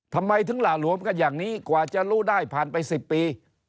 ทำไมถึงหล่าหลวมกันอย่างนี้กว่าจะรู้ได้ผ่านไป๑๐ปี